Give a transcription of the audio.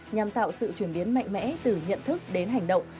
nhằm tạo sự chuyển biến mạnh mẽ từ nhận thức đến hành động